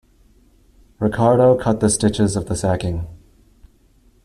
Ricardo cut the stitches of the sacking.